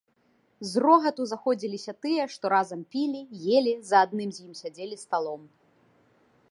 З рогату заходзіліся тыя, што разам пілі, елі, за адным з ім сядзелі сталом.